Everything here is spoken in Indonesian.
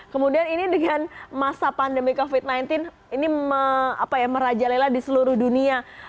kemudian ini dengan masa pandemi covid sembilan belas ini merajalela di seluruh dunia